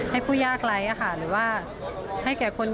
ผู้ยากไร้หรือว่าให้แก่คน